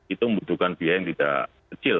itu membutuhkan biaya yang tidak kecil